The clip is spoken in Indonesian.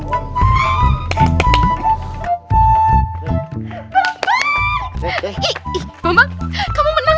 bambang kamu menang tahu kamu menang